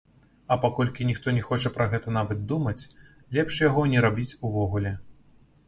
А паколькі ніхто не хоча пра гэта нават думаць, лепш яго не рабіць увогуле.